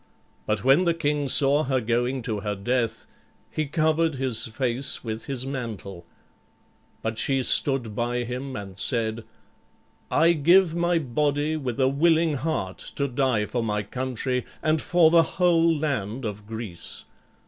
But when the king saw her going to her death he covered his face with his mantle; but she stood by him, and said, "I give my body with a willing heart to die for my country and for the whole land of Greece.